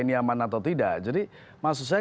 ini aman atau tidak jadi maksud saya